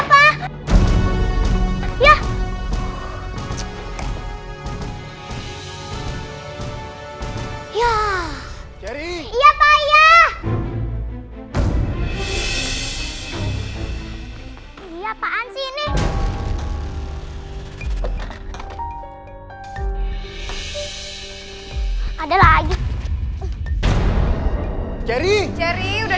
kerry udah dipanggil mama